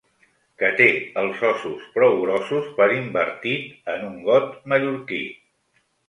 Que té els ossos prou grossos per invertit en un got mallorquí.